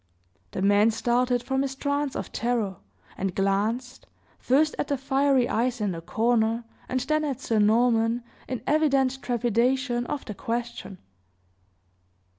The man started from his trance of terror, and glanced, first at the fiery eyes in the corner, and then at Sir Norman, in evident trepidation of the question.